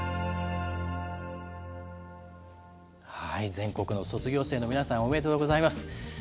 全国の卒業生の皆さん、おめでとうございます。